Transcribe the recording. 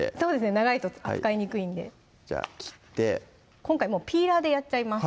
長いと使いにくいんでじゃあ切って今回もうピーラーでやっちゃいます